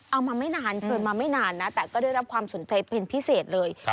มาไม่นานเกินมาไม่นานนะแต่ก็ได้รับความสนใจเป็นพิเศษเลย